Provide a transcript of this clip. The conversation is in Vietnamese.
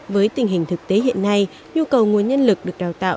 với tình hình thực tế hiện nay nhu cầu nguồn nhân lực được đào tạo